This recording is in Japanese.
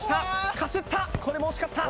かすったこれも惜しかった